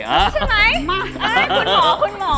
ข้อมูลฟัง